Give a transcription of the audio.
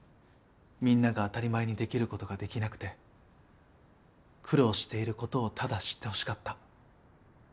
みんなが当たり前にできる事ができなくて苦労している事をただ知ってほしかった。